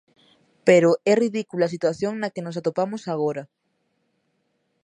Pero é ridícula a situación na que nos atopamos agora.